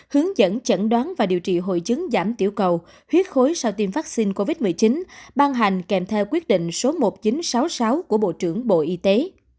hướng dẫn chẩn đoán và điều trị hội chứng giảm tiểu cầu huyết khối sau tiêm vaccine covid một mươi chín ban hành kèm theo quyết định số một nghìn chín trăm sáu mươi sáu của bộ trưởng bộ y tế